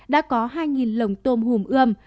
đã có hai lồng tôm hùm ươm